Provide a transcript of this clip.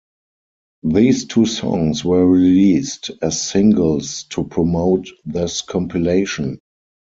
These two songs were released as singles to promote this compilation.